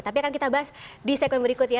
tapi akan kita bahas di segmen berikut ya